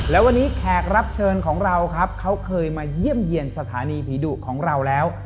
และวันนี้แขกรับเชิญของเราครับเขาเคยมาเยี่ยมเยี่ยมสถานีผีดุของเราแล้ว